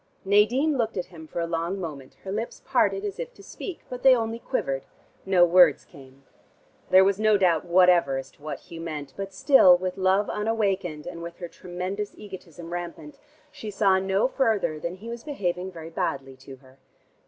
Nadine looked at him for a long moment, her lips parted as if to speak, but they only quivered; no words came. There was no doubt whatever as to what Hugh meant, but still, with love unawakened, and with her tremendous egotism rampant, she saw no further than he was behaving very badly to her.